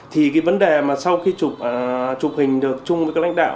thì cái vấn đề mà sau khi chụp hình được chung với các lãnh đạo